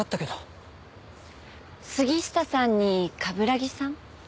杉下さんに冠城さん？